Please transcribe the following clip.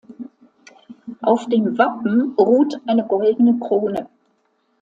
Auf dem Wappen ruht eine goldene Krone.